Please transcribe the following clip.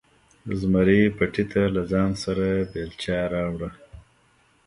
زمري پټي ته له ځانه سره بیلچه راوړه.